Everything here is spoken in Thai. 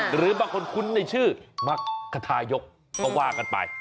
หรือบางคนคุ้นในชื่อมักคทายกก็ว่ากันไป